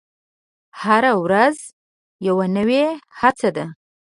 هره ورځ یوه نوې هڅه ده.